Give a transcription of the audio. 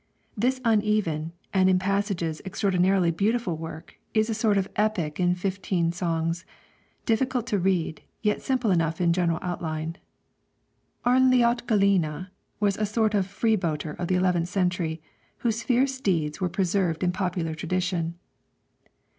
This uneven and in passages extraordinarily beautiful work is a sort of epic in fifteen songs, difficult to read, yet simple enough in general outline. Arnljot Gelline was a sort of freebooter of the eleventh century, whose fierce deeds were preserved in popular tradition.